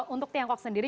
untuk tiongkok sendiri